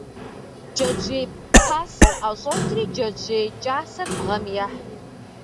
Джэджьей пасэр ӏэщӏокӏри, джэджьей кӏасэр бгъэм ехь.